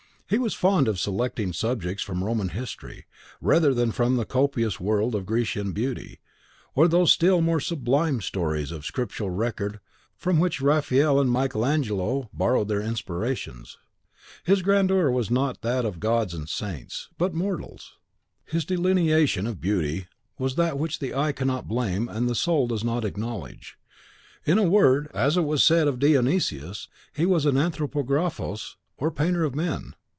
He was fond of selecting subjects from Roman history, rather than from the copious world of Grecian beauty, or those still more sublime stories of scriptural record from which Raphael and Michael Angelo borrowed their inspirations. His grandeur was that not of gods and saints, but mortals. His delineation of beauty was that which the eye cannot blame and the soul does not acknowledge. In a word, as it was said of Dionysius, he was an Anthropographos, or Painter of Men.